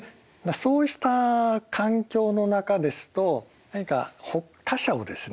そうした環境の中ですと何か他者をですね